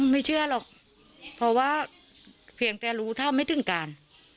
ไม่เชื่อหรอกเพราะว่าเพียงแต่รู้เท่าไม่ถึงการ